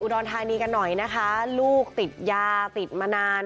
รธานีกันหน่อยนะคะลูกติดยาติดมานาน